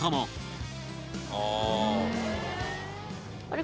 あれ？